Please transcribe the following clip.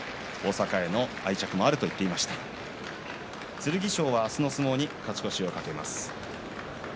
剣翔は明日の相撲に勝ち越しを懸けます。